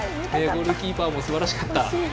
ゴールキーパーもすばらしかった。